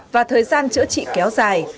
và thời gian chữa trị kéo dài